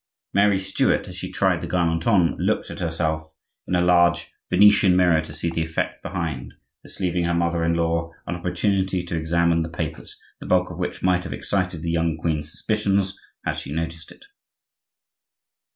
Mary Stuart, as she tried the garment on, looked at herself in a large Venetian mirror to see the effect behind, thus leaving her mother in law an opportunity to examine the papers, the bulk of which might have excited the young queen's suspicions had she noticed it.